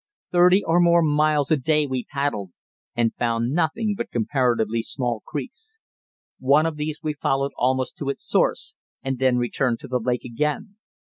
Thirty or more miles a day we paddled, and found nothing but comparatively small creeks. One of these we followed almost to its source, and then returned to the lake again.